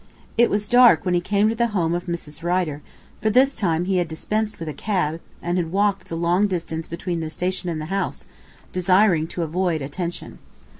It was dark when he came to the home of Mrs. Rider, for this time he had dispensed with a cab, and had walked the long distance between the station and the house, desiring to avoid attention.